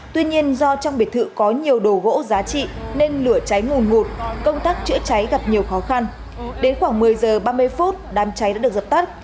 tuy nhiên do trong biệt thự có nhiều đồ gỗ giá trị nên lửa cháy ngùng ngụt công tác chữa cháy gặp nhiều khó khăn đến khoảng một mươi giờ ba mươi phút đám cháy đã được dập tắt